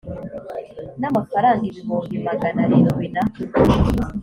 n amafaranga ibihumbi magana arindwi na